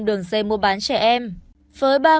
đường dây mua bán trẻ em với